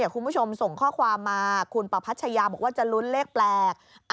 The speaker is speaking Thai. คุณผู้ชมส่งข้อความมาคุณประพัชยาบอกว่าจะลุ้นเลขแปลก